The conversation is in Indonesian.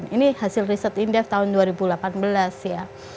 ini hasil riset indef tahun dua ribu delapan belas ya